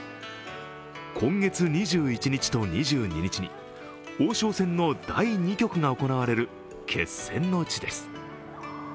今月２１日と２２日に王将戦の第２局が行われる決戦の地です。